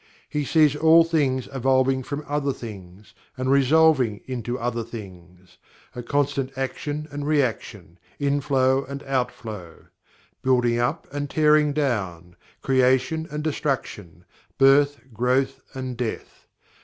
He sees all things evolving from other things, and resolving into other things constant action and reaction; inflow and outflow; building up and tearing down; creation and destruction; birth, growth and death.